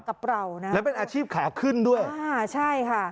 กับเรานะแล้วเป็นอาชีพขาขึ้นด้วยอ่าใช่ค่ะ